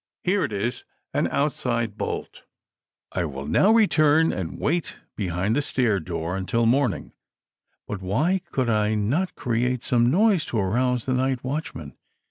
Here it is, an outside bolt ! "I will now return and wait behind the stair door until morning ; but why could I not create some noise to arouse the night watchman